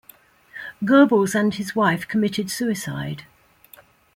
Goebbels and his wife committed suicide.